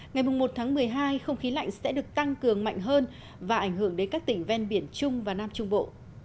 ngày một tháng một mươi hai không khí lạnh sẽ được tăng cường mạnh hơn và ảnh hưởng đến các tỉnh ven biển trung và nam trung bộ